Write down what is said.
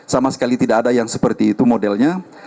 sama sekali tidak ada yang seperti itu modelnya